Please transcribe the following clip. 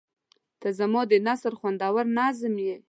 • ته زما د نثر خوندور نظم یې.